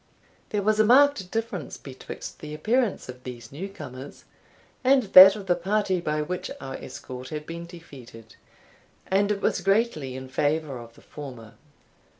There was a marked difference betwixt the appearance of these new comers and that of the party by which our escort had been defeated and it was greatly in favour of the former.